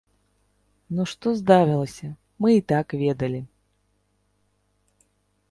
Ну што здарылася, мы і так ведалі.